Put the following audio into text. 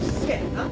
なっ？